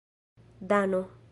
dano